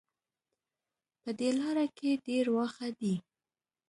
په دې لاره کې ډېر واښه دي